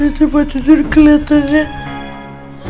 itu batu duri keliatan dia